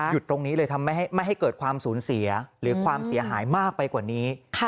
ตรงนี้เลยทำให้ไม่ให้เกิดความสูญเสียหรือความเสียหายมากไปกว่านี้